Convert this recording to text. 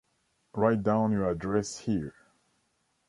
Write down your address here.